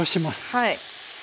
はい。